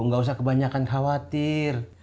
bisa kebanyakan khawatir